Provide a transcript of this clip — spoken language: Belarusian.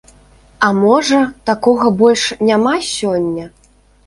А можа, такога больш няма сёння?